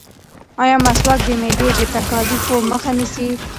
ایا مسواک د معدې د تکالیفو مخه نیسي؟